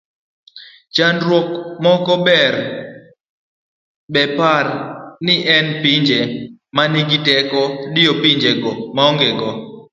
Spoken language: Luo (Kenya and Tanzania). chandruok moro mar Bepar en ni pinye manigi teko diyo pinyego maongego